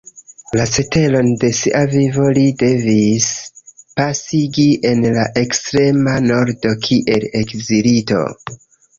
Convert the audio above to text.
La ceteron de sia vivo li devis pasigi en la ekstrema Nordo kiel ekzilito.